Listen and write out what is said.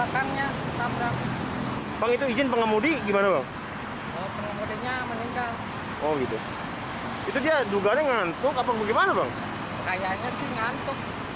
kayaknya sih ngantuk